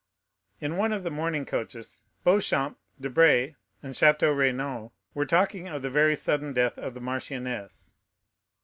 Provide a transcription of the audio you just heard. In one of the mourning coaches Beauchamp, Debray, and Château Renaud were talking of the very sudden death of the marchioness.